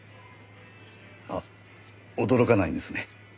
あっ驚かないんですね。